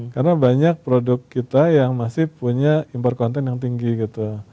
karena banyak produk kita yang masih punya import konten yang tinggi gitu